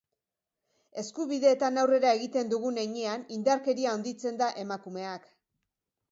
Eskubideetan aurrera egiten dugun heinean, indarkeria handitzen da, emakumeak.